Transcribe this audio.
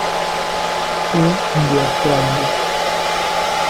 E. de Australia.